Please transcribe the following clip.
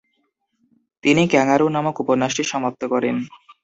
তিনি ক্যাঙারু নামক উপন্যাসটি সমাপ্ত করেন।